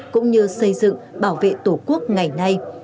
cũng như xây dựng bảo vệ tổ quốc ngày nay